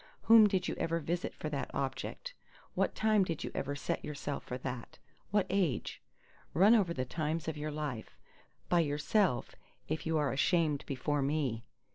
Whom did you ever visit for that object? What time did you ever set yourself for that? What age? Run over the times of your life—by yourself, if you are ashamed before me.